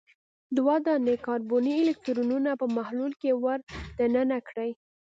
دوه دانې کاربني الکترودونه په محلول کې ور د ننه کړئ.